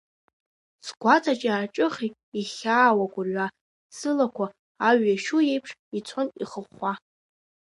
Сгәаҵаҿ иааҿыхеит ихьаау агәырҩа, сылақәа, аҩ иашьу иеиԥш, ицон ихыхәхәа.